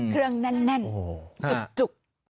เครื่องแน่นจุก